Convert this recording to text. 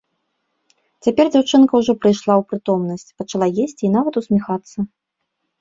Цяпер дзяўчынка ўжо прыйшла ў прытомнасць, пачала есці і нават усміхацца.